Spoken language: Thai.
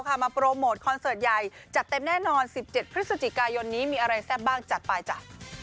มาโปรโมทคอนเสิร์ตใหญ่จัดเต็มแน่นอน๑๗พฤศจิกายนนี้มีอะไรแซ่บบ้างจัดไปจ้ะ